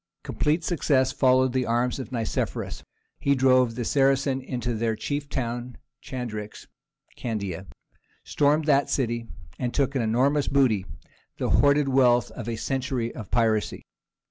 Complete success followed the arms of Nicephorus. He drove the Saracens into their chief town Chandax (Candia), stormed that city, and took an enormous booty—the hoarded wealth of a century of piracy.